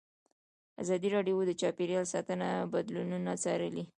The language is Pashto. ازادي راډیو د چاپیریال ساتنه بدلونونه څارلي.